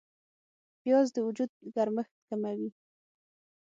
پیاز د وجود ګرمښت کموي